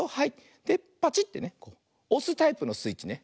パチッてねおすタイプのスイッチね。